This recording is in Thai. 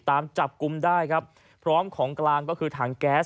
ตามจับกลุ่มได้ครับพร้อมของกลางก็คือถังแก๊ส